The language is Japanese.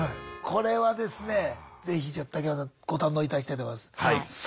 これはですね是非竹山さんご堪能いただきたいと思います。